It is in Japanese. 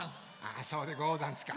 あそうでござんすか。